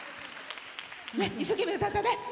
一生懸命、歌ったね。